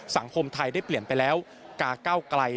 สังคมไทยได้เปลี่ยนไปแล้วกาเก้าไกล